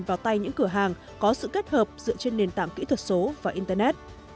vào tay những cửa hàng có sự kết hợp dựa trên nền tảng kỹ thuật số và internet